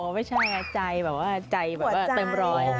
ไม่ใช่ใจแบบว่าใจเต็มรอย